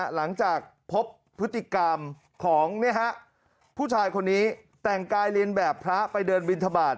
หลังจากพบพฤติกรรมของผู้ชายคนนี้แต่งกายเรียนแบบพระไปเดินบินทบาท